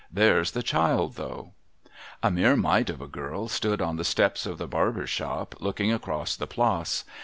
There's the child, though.' A mere mite of a girl stood on the steps of the Barber's shop, looking across the Place.